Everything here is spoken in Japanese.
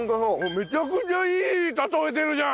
めちゃくちゃいい例え出るじゃん。